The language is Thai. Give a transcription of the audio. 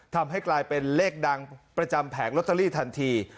ทำให้กลายเป็นเลขดังประจำแผงลอตเตอรี่ทันที